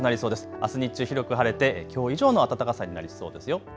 あす日中広く晴れてきょう以上の暖かさになりそうですよ。